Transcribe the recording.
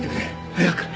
早く！